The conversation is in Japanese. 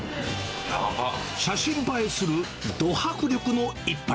写真映えするド迫力の一杯。